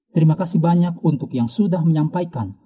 terima kasih banyak untuk yang sudah menyampaikan